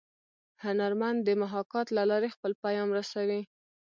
هنرمن د محاکات له لارې خپل پیام رسوي